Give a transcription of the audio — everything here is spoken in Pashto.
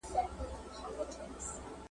شګوفې په ټوله ښکلا غوړېدلي وې ,